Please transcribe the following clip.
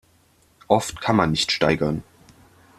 Oft kann man nicht steigern.